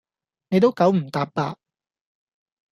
你都九唔答八